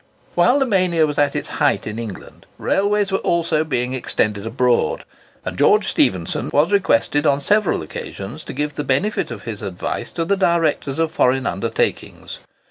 While the mania was at its height in England, railways were also being extended abroad, and George Stephenson was requested on several occasions to give the benefit of his advice to the directors of foreign undertakings.